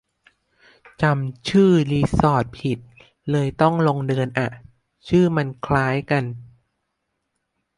จำชื่อรีสอร์ทผิด เลยต้องลงเดินอ่ะ ชื่อมันคล้ายกัน